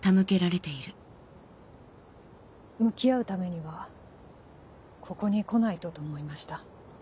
向き合うためにはここに来ないとと思いました。